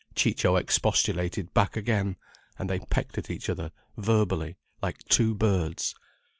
Ciccio expostulated back again, and they pecked at each other, verbally, like two birds.